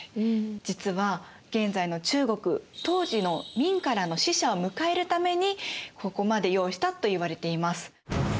実は現在の中国当時の明からの使者を迎えるためにここまで用意したといわれています。